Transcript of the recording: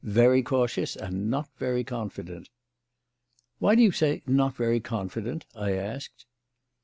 Very cautious, and not very confident." "Why do you say 'not very confident'?" I asked.